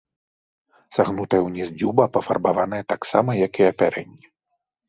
Сагнутая ўніз дзюба пафарбаваная таксама, як і апярэнне.